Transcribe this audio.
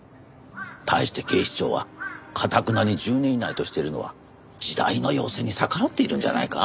「対して警視庁はかたくなに１０年以内としているのは時代の要請に逆らっているんじゃないか？」。